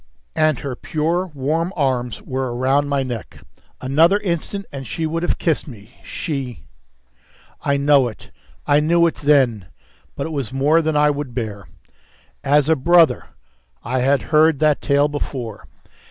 And her pure, warm arms were round my neck; another instant, and she would have kissed me, she! I know it. I knew it then. But it was more than I would bear. As a brother! I had heard that tale before.